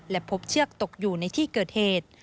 และพบเชือกตกอยู่ในที่เกิดเหตุ